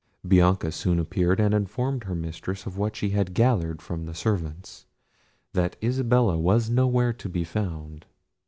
Bianca soon appeared, and informed her mistress of what she had gathered from the servants, that Isabella was nowhere to be found.